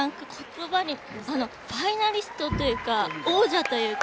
ファイナリストというか王者というか。